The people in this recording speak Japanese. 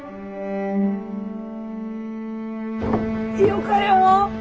よかよ。